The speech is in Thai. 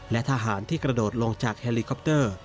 และทหารที่กระโดดลงจากแฮลิคอปเตอร์